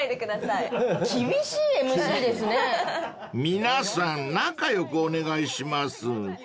［皆さん仲良くお願いします］